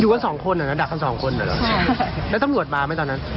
อยู่กับสองคนเหรอดักกับสองคนเหรอแล้วต้องรวดบาลไหมตอนนั้น